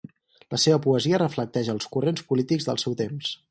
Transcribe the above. La seva poesia reflecteix els corrents polítics del seu temps.